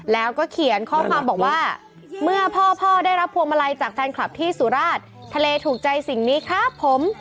แล้วก็เขียนข้อความบอกว่าเมื่อพ่อได้รับพวงมาลัยจากแฟนคลับที่สุราชทะเลถูกใจสิ่งนี้ครับผม